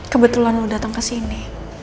kebetulan lu dateng kesini